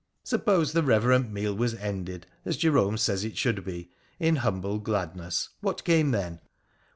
Suppose the reverent meal was ended— as Jerome says it should be — in humble gladness, what came then